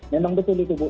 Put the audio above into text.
memang betul itu bu